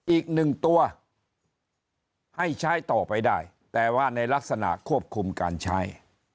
อีกหนึ่งตัวให้ใช้ต่อไปได้แต่ว่าในลักษณะควบคุมการใช้